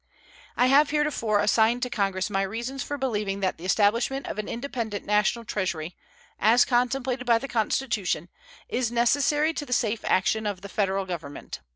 I have heretofore assigned to Congress my reasons for believing that the establishment of an independent National Treasury, as contemplated by the Constitution, is necessary to the safe action of the Federal Government.